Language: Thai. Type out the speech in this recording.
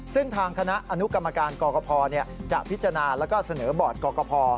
ซึ่งทางคณะอนุกรรมการกรกภจะพิจารณาแล้วก็เสนอบอร์ดกรกภ